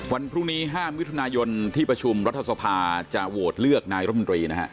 วันพรุ่งนี้๕มิถุนายนที่ประชุมรัฐสภาจะโหวตเลือกนายรมนตรีนะฮะ